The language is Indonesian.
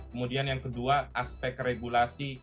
kemudian yang kedua aspek regulasi